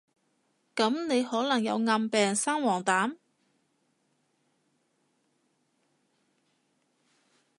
噉你可能有暗病生黃疸？